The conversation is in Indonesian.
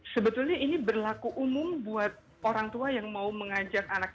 sebetulnya ini berlaku umum buat orang tua yang mau mengajak anak